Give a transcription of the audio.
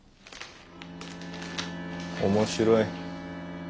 面白い。